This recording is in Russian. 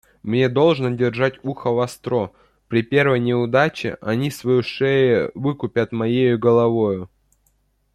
Мне должно держать ухо востро; при первой неудаче они свою шею выкупят моею головою».